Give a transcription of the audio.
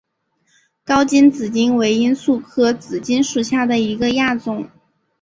高茎紫堇为罂粟科紫堇属下的一个亚种。